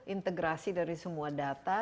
integrasi dari semua data